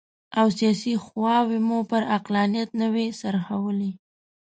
او سیاسي خواوې مو پر عقلانیت نه وي څرخولي.